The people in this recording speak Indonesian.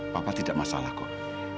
papa tidak masalah kok